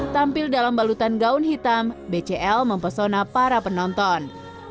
tampil dalam balutan gaun hitam bcl mempesona para penonton